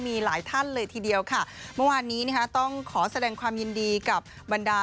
มีหลายท่านเลยทีเดียวค่ะเมื่อวานนี้นะคะต้องขอแสดงความยินดีกับบรรดา